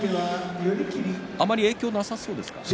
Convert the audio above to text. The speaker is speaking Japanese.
あまり影響はなさそうですかね。